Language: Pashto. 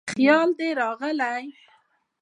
خیال دې راغلی